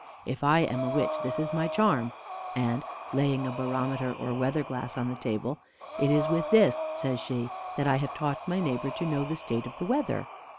If I am a witch, this is my charm; and" (laying a barometer or weather glass on the table) "it is with this," says she, "that I have taught my neighbor to know the state of the weather."